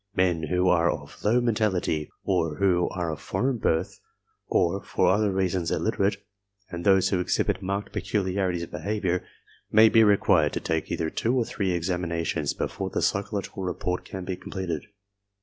Men who are of low mental ity, those who are of foreign birth or for other reasons illiterate, and those who exhibit marked peculiarities of behavior may be required to take either two or three examinations before the psychological report can be completed.